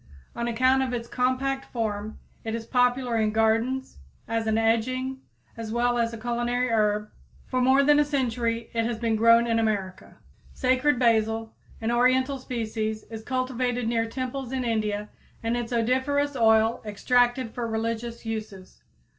On account of its compact form it is popular in gardens as an edging as well as a culinary herb, for more than a century it has been grown in America. Sacred basil (O. sanctum), an oriental species, is cultivated near temples in India and its odoriferous oil extracted for religious uses.